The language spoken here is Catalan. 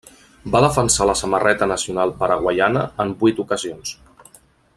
Va defensar la samarreta nacional paraguaiana en vuit ocasions.